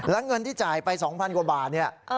แล้วเงินที่จ่ายไป๒๐๐กว่าบาทเนี่ย